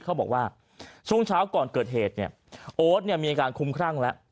เขาบอกว่าช่วงเช้าก่อนเกิดเหตุโอ๊ตมีการคุมครั่งแล้ว